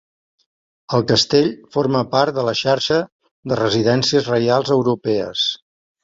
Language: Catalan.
El castell forma part de la xarxa de residències reials europees.